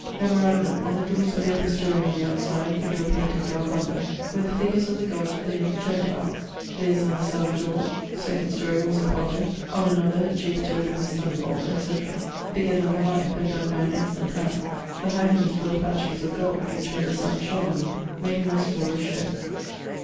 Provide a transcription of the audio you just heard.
Memorandum: on the dores of the upper storie on the outside (which were painted darke umber) were the figures of the gods of the Gentiles (viz. on the south dore, 2d storie, was Apollo; on another, Jupiter with his thunderbolt, etc.) bigger then the life, and donne by an excellent hand; the heightnings were of hatchings of gold, which when the sun shone on them made a most glorious shew.